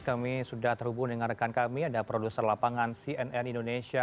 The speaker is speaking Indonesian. kami sudah terhubung dengan rekan kami ada produser lapangan cnn indonesia